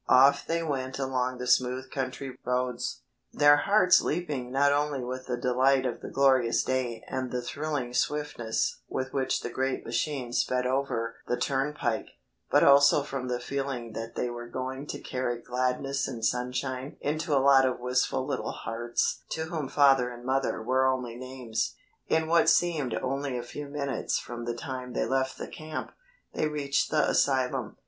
Off they went along the smooth country roads, their hearts leaping not only with the delight of the glorious day and the thrilling swiftness with which the great machine sped over the turnpike, but also from the feeling that they were going to carry gladness and sunshine into a lot of wistful little hearts to whom father and mother were only names. In what seemed only a few minutes from the time they left the camp, they reached the asylum.